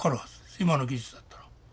今の技術だったら。